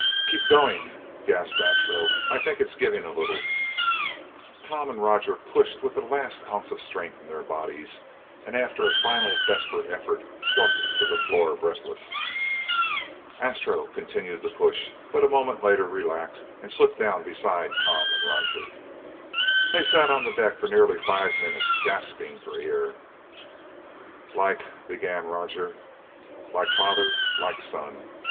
"Keep going," gasped Astro. "I think it's giving a little!" Tom and Roger pushed with the last ounce of strength in their bodies, and after a final desperate effort, slumped to the floor breathless. Astro continued to push, but a moment later, relaxed and slipped down beside Tom and Roger. They sat on the deck for nearly five minutes gasping for air. "Like " began Roger, "like father like son!"